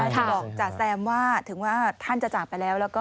ถึงบอกจาแซมถึงว่าท่านจะจากไปแล้ว